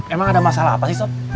emang ada masalah apa sih sok